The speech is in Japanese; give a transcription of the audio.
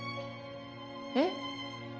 えっ？